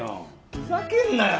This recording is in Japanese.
ふざけんなよ！